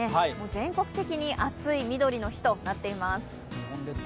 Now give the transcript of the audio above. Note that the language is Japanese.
全国的に暑いみどりの日となっています。